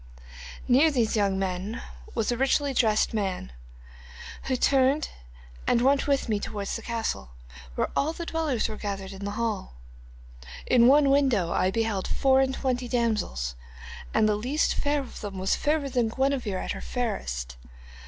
'Near these young men was a man richly dressed, who turned and went with me towards the castle, where all the dwellers were gathered in the hall. In one window I beheld four and twenty damsels, and the least fair of them was fairer than Guenevere at her fairest.